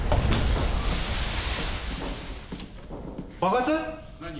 爆発？